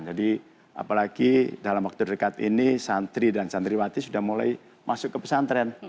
jadi apalagi dalam waktu dekat ini santri dan santriwati sudah mulai masuk ke pesantren